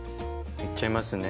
いっちゃいますね。